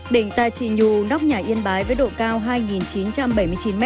đỉnh tà chi nhù nóc nhà yên bái với độ cao hai chín trăm bảy mươi chín m